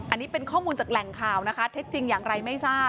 อันนี้เป็นข้อมูลจากแหล่งข่าวนะคะเท็จจริงอย่างไรไม่ทราบ